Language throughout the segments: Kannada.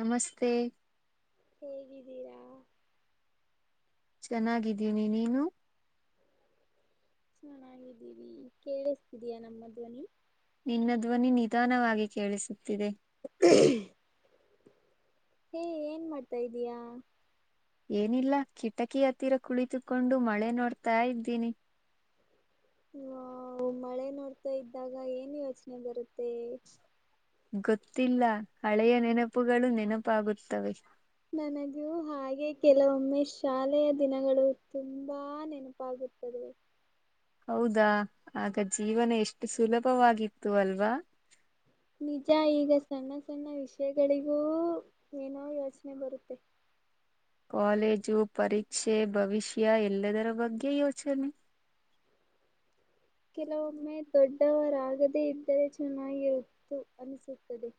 ನಮಸ್ತೆ ಹೇಗಿದ್ದೀರಾ ಚೆನ್ನಾಗಿದ್ದೀನಿ ನೀನು ಚೆನ್ನಾಗಿದ್ದೀವಿ ಕೇಳಸ್ತಿದಯಾ ನಮ್ಮ ಧ್ವನಿ ನಿನ್ನ ಧ್ವನಿ ನಿಧಾನವಾಗಿ ಕೇಳಿಸೆ ಸದೆ ಹೇ ಏನ್ ಮಾಡ್ತಾ್ದೀಯಾ ಏನಿಲ್ಲ ಕಿಟಕಿ ಹತ್ತಿರ ಕುಳಿತುಕೊಂಡು ಮಳೆ ನೋಡ್ತಾ ಇದ್ದೀನಿ ಹ ಮಳೆ ನೋಡ್ತಾ ಇದ್ದಾಗ ಏನ್ ಯೋಚನೆ ಬರುತ್ತೆ ಗೊತ್ತಿಲ್ಲ ಹಳೆಯ ನೆನಪುಗಳು ನೆನಪಾಗುತ್ತವೆ ನನಗೊ ಹಾಗೆ ಹಾಗಗೆ ಕೆಲವೊಮ್ಮೆ ಶಾಲೆಯ ದಿನಗಳು ತುಂಬಾ ನೆನಪಾಗುತ್ತದೆ ಹೌದಾ ಆಗ ಜೀವನ ಎಷ್ಟು ಸುಲಭವಾಗಿತ್ತು ಅಲ್ವಾ ನಿಜ ಈಗಸಣ ಸ್ಣ ವಿಷಯಗಳಿಗೂ ಏನೋ ಯೋಚನೆ ಬರುತ್ತೆ ಕಾಲೇಜು ಪರೀಕ್ಷೆ ಭವಿಷ್ಯ ಎಲ್ಲದರ ಬಗ್ಗೆ ಯೋಚನೆ ಕೆಲವೊಮ್ಮೆ ದೊಡ್ಡವರಾಗದೇ ಇತ್ತು ಇರೆ ಚೆನ್ನಾಗಿರುತ್ತು ಅನ್ನಿಸುತ್ತದೆ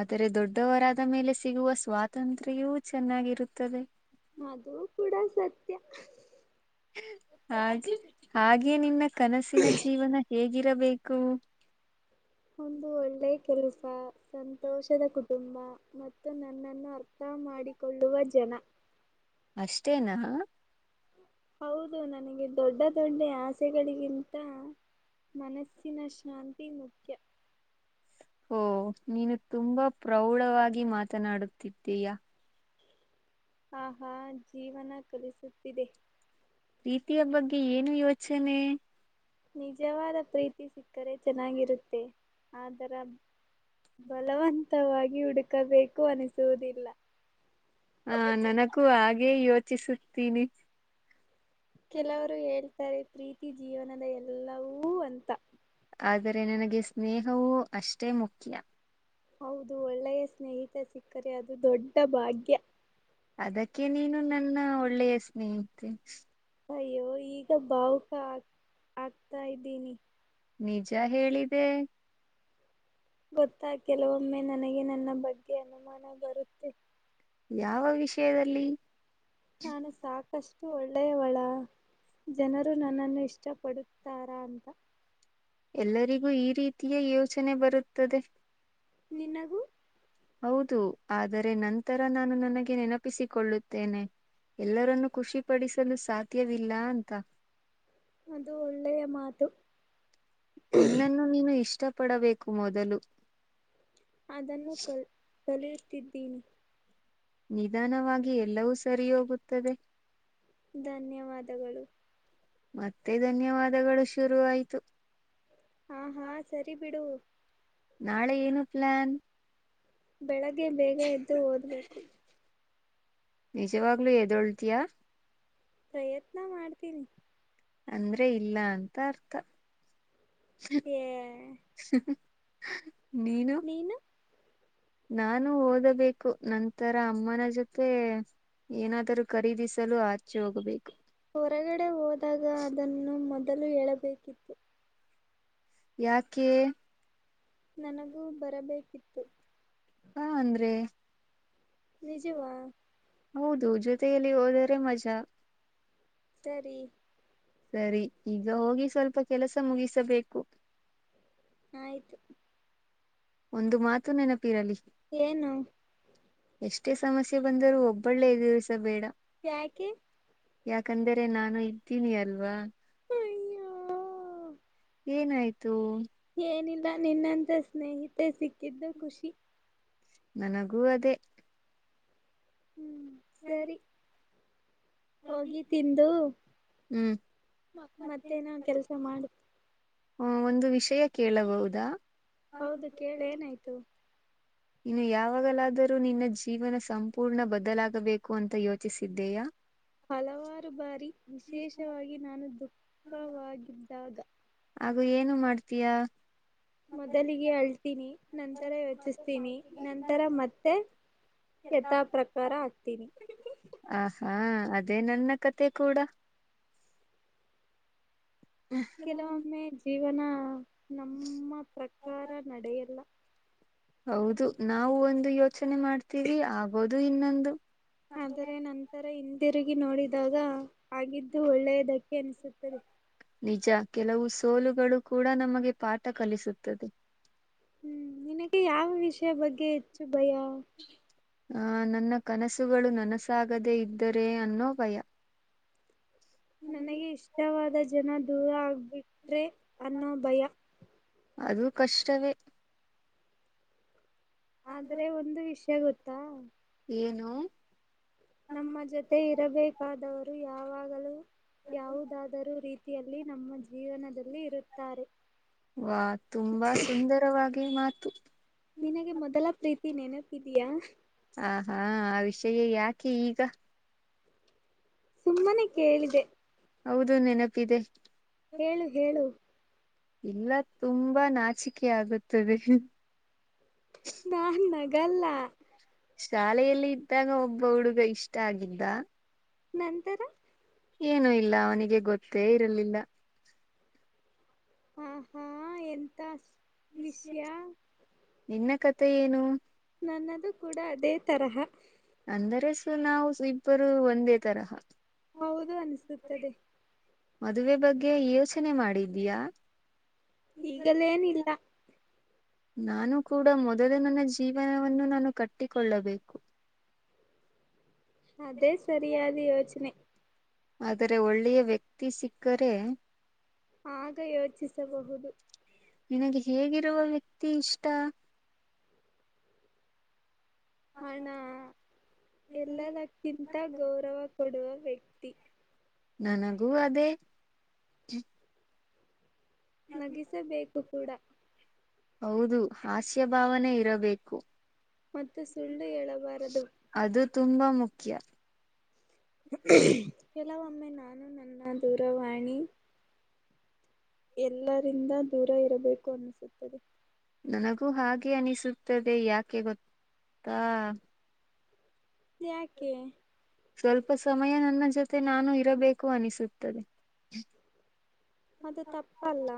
ಆದರೆ ದೊಡ್ಡವರಾದ ಮೇಲೆ ಸಿಗುವ ಸ್ವಾತಂತ್ರ್ಯವೂ ಚೆನ್ನಾಗಿರುತ್ತದೆ ಅದುೂ ಕೂಡ ಸತ್ಯ ಹಾಗೆ ಹಾಗೆ ನಿನ್ನ ಕನಸಿನ ಜೀವನ ಹೇಗೆ ಗಿರಬೇಕು ಒಂದು ಒಳ್ಳೆ ಕೆಲಸ ಹ ಸಂತೋಷದ ಕೊಟ್ಟ ಸುಮ್ಮ ಮತ್ತು ನನ್ನನ್ನು ಅರ್ಥ ಮಾಡಿಕೊಳ್ಳುವ ಜನ ಅಷ್ಟೇನ ಹೌದು ನನಗ ದೊಡ್ಡ ದೊಡ್್ಣೆ ಆಸೆಗಳಿಗಿಂತ ಮನಸ್ಸಿನ ಶಾನ್ ಅಿ ಮುಖ್ಯ ಓ ನೀನು ತುಂಬಾ ಪ್ರೌಢವಾಗಿ ಮಾತನಾಡುತ್ತಿದ್ದೀಯಾ ಆಹ ಜೀವನ ಕಲಿಸುತ್ತಿದೆ ಪ್ರೀತಿಯ ಬಗ್ಗೆ ಏನು ಯೋಚನೆ ಚನ ನಿಜವಾದ ಪ್ರೀತಿ ಸಿಕ್ಕರೆ ಚೆನ್ನಾಗಿರುತ್ತೆ ಆದರ ಬಲವಂತವಾಗಿ ಹುಡು ಕವ ಹ ನನಕ್ಕೂ ಹಾಗೆ ಇವತ್ತು ಚ್ಚ ಸಕ್ತಿಿನ ಕೆಲವರು ಹೇಳ್ತಾರೆ ಪ್ರೀತಿ ಜೀವನದ ಎಲ್ಲವೂ ಅಂತ ಆದರೆ ನನಗೆ ಸ್ನೇಹವು ಅಷ್ಟೇ ಮುಖ್ಯ ಹೌದು ಒಳ್ಳೆಯ ಸ್ನೇಹಿತೆ ಸಿಕ್ಕದೆ ಅದು ದೊಡ್ಡ ಭಾಗ್ಯ ಅದಕ್ಕೆ ನೀನು ನನ್ನ ಒಳ್ಳೆಯ ಸ್ನೇಹಿತೆ ಅಯ್ಯೋ ಈಗ ಬಾವುಕ ಆ ಆಗ್ತಾ ಇದ್ದೀನಿ ನಿಜ ಹೇಳಿದೆೆ ಗೊತ್ತಾ ಕೆಲವೊಮ್ಮೆ ನನಗೆ ನನ್ನ ಬಗ್ಗೆ ಅನುಮಾನ ಬರುತ್ತೆ ಯಾವ ವಿಷಯದಲ್ಲಿ ನಾನು ಸಾಕಷ್ಟು ಒಳ್ಳೆಯವಳ ಜನರು ನನ್ನನ್ನು ಇಷ್ಟ ಪಡುತ್ತಾರ ಅಂತ ಎಲ್ಲರಿಗೂ ಈ ರೀತಿಯ ಯೋಚನೆ ಬರುತ್ತದೆ ನಿನಗೂ ಹೌದು ಆದರೆ ನಂತರ ನಾನು ನನಗೆ ನೆನಪಿಸಿಕೊಳ್ಳುತ್ತೇನೆ ಎಲ್ಲರನ್ನೂ ಖುಷಿಪಡಿಸಲು ಸಾಧ್ಯವಿಲ್ಲ ಅಂತ ಅದು ಒಳ್ಳೆಯ ಮಾತು ನಿನ್ನನ್ನು ನೀನು ಇಷ್ಟ ಪಡಬೇಕು ಮೊದಲು ಅದನ್ನು ಕಲ್ ಕಲಿಯುತ್ತಿದ್ದೀನಿ ನಿಧಾನವಾಗಿ ಎಲ್ಲವೂ ಸರಿ ಹೋಗುತ್ತದೆ ಧನ್ಯವಾದಗಳು ಮತ್ತೆ ಧನ್ಯವಾದಗಳು ಶುರುವಾಯಿತ್ತು ಹಾ ಹಾ ಸರಿ ಬಿಡು ನಾಳೆ ಏನು ಪ್ಲಾನ್ ಬೆಳಗ್ಗೆ ಬೇಗ ಎದ್ದು ಓದ್ಬೇಕು ನಿಜವಾಗ್ಲು ಎದ್ದೇಳೋತಿಯ ಪ್ರಯತ್ನ ಮಾಡ್ತೀನಿ ಅಂದ್ರೆ ಇಲ್ಲ ಅಂತ ಅರ್ಥ ಹೇಯ್ [inaudible] ನೀನು ನಾನು ಓದಬೇಕು ನಂತರ ಅಮ್ಮನ ಜೊತೆ ಏನಾದರೂ ಖರೀದಿಸಲು ಆಚೆ ಹೋಗ್ಬೇಕು ಹೊರಗಡೆ ಹೋದಾಗ ಅದನ್ನು [unintelligible] ಹೇಳಬೇಕಿತ್ತು ಯಾಕೆ ನನಗೂ ಬರಬೇಕಿತ್ತು ಹಾ ಅಂದ್ರೆ ನಿಜವಾ ಹೌದು ಜೊತೆಯಲ್ಲಿ ಹೋದರೆ ಮಜಾ ಸರಿ ಸರಿ ಈಗ ಹೋಗಿ ಸ್ವಲ್ಪ ಕೆಲಸ ಮುಗಿಸಬೇಕು ಆಯ್ತು ಒಂದು ಮಾತು ನೆನಪ ತಿರಲಿ ಏನು ಎಷ್ಟೇ ಸಮಸ್ಯೆ ಬಂದರೂ ಒಬ್ಬಳ್ಳೆ ಎದುರಿಸಬೇಡ ಯಾಕೆ ಯಾಕಂದರೆೆ ನಾನು ಇದ್ದೀನಿ ಅಲ್ವಾ ಅಯ್ಯೋ ಏನಾಯ್ತು ಏನಿಲ್ಲ ನಿನ್ನಂತ ಸ್ನೇಹಿತೆ ಸಿಕ್ಕಿದ್ದು ಖುಷಿ ನನಗೂ ಅದೇ ಹ್ಮ್ ಸರಿ ಹೋಗಿ ತಿಂದು ಹ್ಮ್ ಮ ಮತ್ತೇನ ಕೆಲ್ಸ ಮಾಡ ಹ ಒಂದು ವಿಷಯ ಕೇಳಬಹುದಾ ಹೌದು ಕೇಳಿ ಏನಾಯ್ತು ಇನ್ನು ಯಾವಾಗಲಾದರೂ ನಿನ್ನ ಜೀವನ ಸಂಪೂರ್ಣ ಬದಲಾಗಬೇಕು ಅಂತ ಯೋಚಿಸಿದ್ದೀಯಾ ಹಲವಾರು ಬಾರಿ ವಿಶೇಷವಾಗಿ ನಾನು ದುಃಖವಾಗಿದ್ದಾಗ ಹಾಗು ಏನು ಮಾಡ್ತೀಯಾ ಮೊದಲಿಗೆ ಅಳ್ತೀನಿ ನಂತರ ಯೋಚಿಸ್ತೀನಿ ನಂತರ ಮತ್ತೆ ಯಥಾ ಪ್ರಕಾರ ಹಾಕ್ತೀನಿ ಹಾ ಅದೇ ನನ್ನ ಕತೆೆ ಕೂಡ ಕೆಲವೊಮ್ಮೆ ಜೀವನ ನಮ್ಮ ಪ್ರಕಾರ ನಡೆಯಲ್ಲ ಯಚನೆ ಮಾಡ್ತೀವಿ ಆಗೋದು ಇನ್ನೊಂದು ಆದ್ರ ನಂತರ ಹಿಂದೆ ತಿರುಗಿ ನೋಡಿದಾಗ ಹಾಗಗಿದ್ದು ಒಳ್ಳೆಯದಕ್ಕೆ ಅನಿಸುತ್ತದೆ ನಿಜ ಕೆಲವು ಸೋಲುಗಳು ಕೂಡ ನಮಗೆ ಪಾಠ ಕಲಿಸುತ್ತದೆ ಹ್ಮ್ ನಿನಕ್ಕೆ ಯಾವ ವಿಷಯ ಬಗ್ಗೆ ಹೆಚ್ಚು ಭಯ ಆ ನನ್ನ ಕನಸುಗಳು ನನಸಾಗದೇ ಇದ್ದರೆ ಅನ್ನೋ ಭಯ ನನಗೆ ಇಷ್ಟವಾದ ಜನ ದೂರ ಆಗ್ಬಿಟ್ರೆ ಅನ್ನೋ ಭಯ ಅದು ಕಷ್ಟವೇ ಆದ್ರೆ ಒಂದು ವಿಷಯ ಗೊತ್ತಾ ಹ್ಮ ನಮ್ಮ ಜೊತೆ ಇರಬೇಕಾದವರು ಯಾವಾಗ ಮ [inaudible] ಯಾವುದಾದರೂ ರೀತಿಯಲ್ಲಿ ನಮ್ಮ ಜೀವನದಲ್ಲಿ ಇರುತ್ತಾರೆ ವಾ ಹ್ಮ್ಮ್. [inaudible] ನಿನಗೆ ಮೊದಲ ಪ್ರೀತಿ ನ್ನೆನಪ್ಪ ಇದಿದಯಾ ಆ ಹಾ ಆ ವಿಷಯ ಯಾಕೆ ಈಗ ಸುಮ್ಮನೆ ಕೇಳಿದೆ ಹೌದು ನೆನಪಿದೆ ಹೇಳು ಹೇಳು ಇಲ್ಲ ತುಂಬಾ ನಾಚಿಕೆ ಆಗುತ್ತದೆ ನಾನ ನಗಲ್ಲ ಶಾಲೆಯಲ್ಲಿ ಇದ್ದಾಗ ಒಬ್ಬ ಹುಡುಗ ಇಷ್ಟ ಆಗಿದ್ದ ನಂತರ ಏನು ಇಲ್ಲ ಅವನಿಗೆ ಗೊತ್ತೇ ಇರಲಿಲ್ಲ ಹ ಹಾ ಎಂತ ವಿಷಯ ನಿನ್ನ ಕ ಮತ್ತ ಏನು ನನ್ನದು ಕೂಡ ಅದೇ ತರಹ ಅಂದರೆಸು ನಾವು ಇಬ್ಬರು ಒಂದೇ ತರಹ ಹೌದು ಅನಿಸುತ್ತದೆ ಮದುವೆ ಬಗ್ಗೆ ಯೋಚನೆ ಮಾಡಿದೀಯಾ ಈಗಲೇಏನಿಲ್ಲ ನಾನು ಕೂಡ ಮೊದಲು ನನ್ನ ಜೀವನವನ್ನು ನಾನು ಕಟ್ಟಿಕೊಳ್ಳಬೇಕು ಅೇ ಸರಿಾದ ಯೋಚನೆ ಆದರೆ ಒಳ್ಳೆಯ ವ್ಯಕ್ತಿ ಸಿಕ್ಕರೆ ಆಗ ಯೋಚಿಸಬಹುದು ನಿನಗೆ ಹೇಗಿರುವ ವ್ಯಕ್ತಿ ಇಷ್ಟ ಹಣ ಎಲ್ಲದಕ್ಕಿಂತ ಗೌರವ ಕೊಡುವ ವ್ಯಕ್ತಿ ತ್ತಿ ನನಗೂ ಅದೇ ನಗಿಸ ಬೇಕು ಕೂಡ ಹೌದು ಹಾಸ್ಯ ಭಾವನೆ ಇರಬೇಕು ಮತ್ತು ಸುಳ್ಳು ಹೇಳಬಾರದು ತುಂಬ ಮುಖ್ಯ [inaudible] ಕೆಲವೊಮ್ಮೆ ನಾನು ನನ್ನ ದೂರವಾಣಿ ಎಲ್ಲರಿಂದ ದೂರ ಇರಬೇಕು ಅನ್ನಿಸುತ್ತದೆ ನನಗೂ ಹಾಗೆ ಅನಿಸುತ್ತದೆ ಯಾಕೆ ಗೊತ್ತಾ ಯಾಕೆ ಸ್ವಲ್ಪ ಸಮಯ ನನ್ನ ಜೊತೆ ಮತ್ತೆ ನಾನು ಇರಬೇಕು ಅನಿಸುತ್ತದೆ ಅದು ತಪ್ಪಲ್ಲ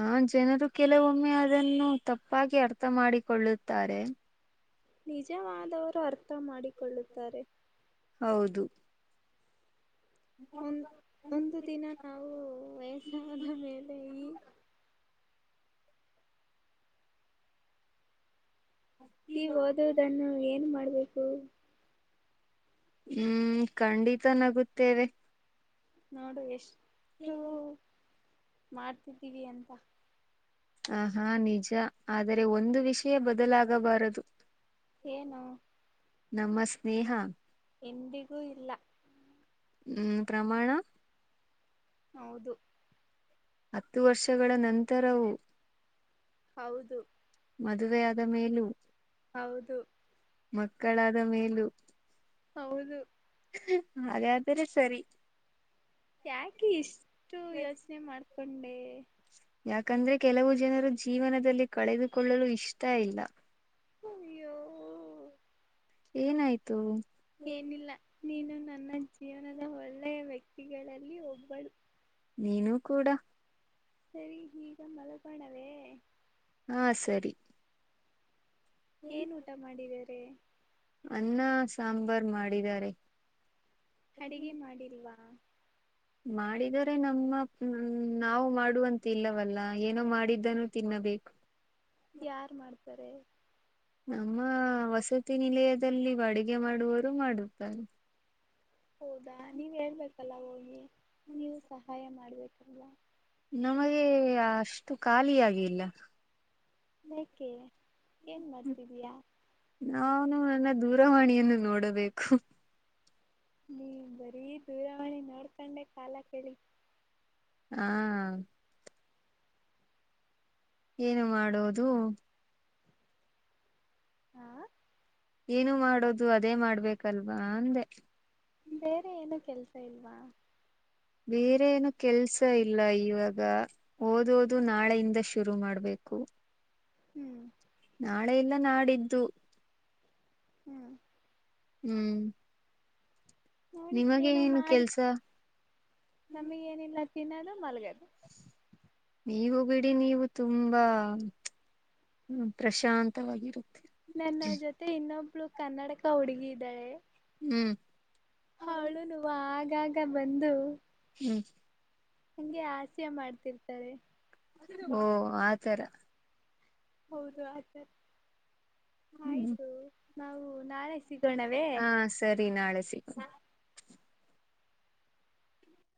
ಆ ಜನರು ಕೆಲವೊಮ್ಮೆ ಅದನ್ನು ತಪ್ಪಾಗಿ ಅರ್ಥ ಮಾಡಾಡಿಕೊಳ್ಳುತ್ತಾರೆ ನಿಜವಾದವರು ಅರ್ಥ ಮಾಡಿಕೊಳ್ಳುತ್ತಾರೆ ಹೌದು ಒ ಒಂದು ದಿನ ನಾವು ವಯಸಾದ ಮೇಲೆ ಈ ನೀವ ಓದದನ್ನು ಏನ್ ಮಾಡ ಹ ಹ್ಮ್ ಖಂಡಿತ ನಗುತ್ತೇವೆ ನೋಡು ಎಷ್ಟ್ ಹ್ಮ್ ಮಾಡ್ತಿದ್ದೀವಿ ಅಂತ ಅಹಾ ನಿಜ ಆದರೆ ಒಂದು ವಿಷಯ ಬದಲಾಗಬಾರದು ಏನು ನಮ ಸ್ನೇಹ ಎಂದಿಗೂ ಇಲ್ಲ ಹ್ಮ್ ಪ್ರಮಾಣ ಹೌದು ಹತ್ತು ವರ್ಷಗಳ ನಂತರವು ಹೌದು ಮದುವೆ ಆದ ಮೇಲೂ ಹೌದು ಮಕ್ಕಳಾದ ಮೇಲ ಹೌದು ಅದೇ ಆದರೆ ಸರಿ ಯಾಕೆ ಇಷ್ಟು ಯೋಚನೆ ಮಾಡ್ತ ಪಂಡೆ ಯಾಕಂದ್ರೆ ಕೆಲವು ಜನರು ಜೀವನದಲ್ಲಿ ಕಳೆದುಕೊಳ್ಳಲು ಇಷ್ಟ ಇಲ್ಲ ಅಯ್ಯೋ ಏನಾಯ್ತು ಏನಿಲ್ಲ ನೀನು ನನ್ನಜ್ಜ ಜೀವನದ ಒಳ್ಳೆಯ ವ್ಯಕ್ತಿಗಳಲ್ಲಿ ಒಬ್ಬಳ ನೀನುೂ ಕೂಡ ಸರಿ ಈಗ ಮಲಬಣವೇ ಹಾ ಸರಿ ಏನ್ ಊಟ ಮಾಡಿದೆ ಅನ್ನ ಸಾಂಬಾರ್ ಮಾಡಿದ್ದಾರೆ ಅಡಿಗೆ ಮಾಡಿಲ್ವಾ ಮಾಡಿದರೆ ನಮ್ಮ ಹ್ಮ್ ನಾವು ಮಾಡುವಂತ ಇಲ್ಲವಲ್ಲ ಏನೋ ಮಾಡಿದ್ದನೂ ತಿನ್ನಬೇಕು ಯಾರ್ ಮಾಡ್ತಾರೆ [unintelligible] ನಮ್ಮ ವಸತಿ ನಿಲಯದಲ್ಲಿ ಅಡಿಗೆ ಮಾಡುವವರು ಮಾಡುತ್ತಾರೆ ಹೌದಾ ನೀವು ಹೇಳ್ಬೇಕ [unintelligible] ಹೋಗಿ ನೀವು ಸಹಾಯ ಮಾಡ್ಬೇಕು [unintelligible] ನಮಗೆ ಅಷ್ಟು ಖಾಲಿಯಾಗಿಲ್ಲ ಯಾಕೆ ಏನ್ ಮಾಡ್ತಿದಿಯಾ ನಾನು ನನ್ನ ದೂರವಾಣಿಯನ್ನು ನೋಡಬೇಕು ನೀವ್ ಬರೀ ದೂರವಾಣಿ ನೋಡ್ಕಂಡೆ ಕಾಲ ಕಳಿ ಹಾ ಏನು ಮಾಡೋದು ಹಾ ಏನು ಮಾಡೋದು ಅದೇ ಮಾಡ್ಬೇಕಲ್ವಾ ಅಂದೆ ಬೇರೆ ಏನು ಕೆಲ್ಸ ಇಲ್ವಾ ಬೇರೆ ಏನು ಕೆಲ್ಸ ಇಲ್ಲ ಇವಾಗ ಓದೋದು ನಾಳೆಯಿಂದಷ್ಟು ಶುರು ಮಾಡ್ಬೇಕು ಹ್ಮ್ ನಾಳೆಯಲ್ಲ ನಾಡಿದ್ದು ಹ್ಮ್ ಹ್ಮ್ ನೋಡಿ ನಿಮಗೆ ಏನೋ ಏನು ಮಾಡಿ ಕೆಲ್ಸ ನಮಿಗೆ ಏನಿಲ್ಲ ತಿನ್ನದು ಮಲ್ಗದು ನೀವು ಬಿಡಿ ನೀವು ತುಂಬಾ ಪ್ರಶಾಂತವಾಗಿರುತ್ತ ನನ್ನ ಜೊತೆ ಇನ್ನೊಬ್ಬ ಇನ್ನೊಬ್ಬಳು ಕನ್ನಡಕ ಹುಡುಗಿ ಇದ್ದಾಳೆ ಹ್ಮ್ ಅವಳುನುವಾ ಆಗಾಗಿ ಬಂದು ಹ್ಮ್ ಹಂಗೆ ಅಸ್ಯ ಮಾಡ್ತಿರ್ತಾರೆ ಓ ಆತರ ಹೌದು ಆಯ್ತ ಹ್ಮ್ ಆಯ್ತು ನಾವು ನಾಳೆ ಸಿಗೋಣವೇ? ಹಾ ಸರಿ ನಾಳೆ ಸಿ ಇಗ [inaudible]